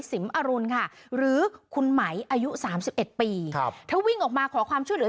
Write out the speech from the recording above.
สิมอรุณค่ะหรือคุณไหมอายุ๓๑ปีถ้าวิ่งออกมาขอความช่วยเหลือ